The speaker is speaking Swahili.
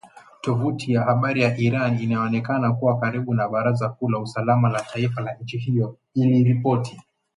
Tovuti ya habari ya Iran inayoonekana kuwa karibu na baraza kuu la usalama la taifa la nchi hiyo, iliripoti